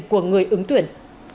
của người ứng tuyển